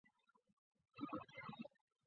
现正就读于国立台湾戏曲学院客家戏学系。